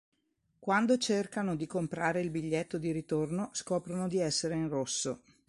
Quando cercano di comprare il biglietto di ritorno scoprono di essere in rosso.